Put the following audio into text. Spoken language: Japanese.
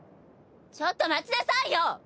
ちょっと待ちなさいよ！